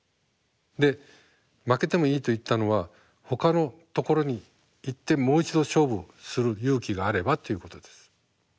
で負けてもいいと言ったのはほかのところに行ってもう一度勝負する勇気があればということです。